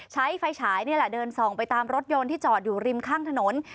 ใช้ไฟฉายนี่แหละเดินส่องไปตามรถยนต์ที่จอดอยู่ริมข้างถนน